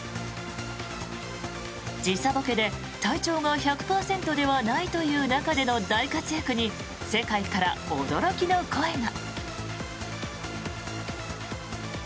時差ボケで体調が１００％ではないという中での大活躍に世界から驚きの声が。